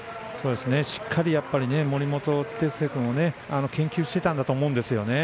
しっかり森本哲星君を研究してたんだと思うんですよ。